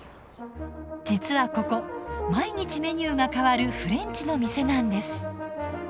実はここ毎日メニューが変わるフレンチの店なんです。